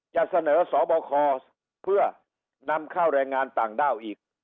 จะเสนอสบคเพื่อนำเข้าแรงงานต่างด้าวอีก